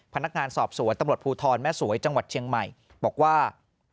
พนักงานสอบสวนตำรวจภูทรแม่สวยจังหวัดเชียงใหม่บอกว่า